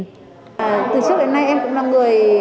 từ trước đến nay em cũng là người